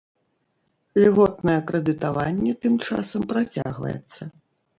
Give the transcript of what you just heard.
Льготнае крэдытаванне тым часам працягваецца.